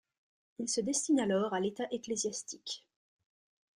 Il se destine alors à l'état ecclésiastique.